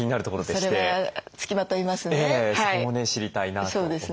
そこもね知りたいなと思います。